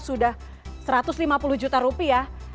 sudah satu ratus lima puluh juta rupiah